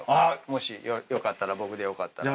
もしよかったら僕でよかったら。